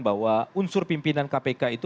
bahwa unsur pimpinan kpk itu